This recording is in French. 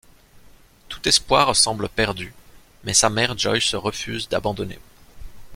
Tout espoir semble perdu, mais sa mère Joyce refuse d'abandonner.